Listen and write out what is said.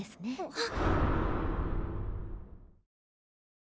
あっ！